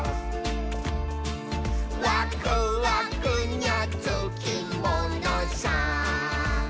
「ワクワクにゃつきものさ」